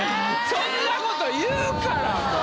そんなこと言うからもう。